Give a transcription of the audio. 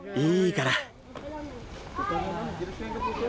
いいから。